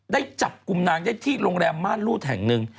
ได้จับกลุ่มนางได้ที่โรงแรมม่านรูดแห่งหนึ่ง